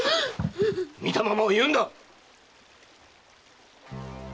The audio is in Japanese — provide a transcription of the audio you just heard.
見たままを言うんだ！